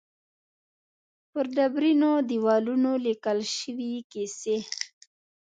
پر ډبرینو دېوالونو لیکل شوې کیسې.